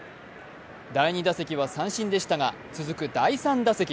第２打席は三振でしたが続く第３打席。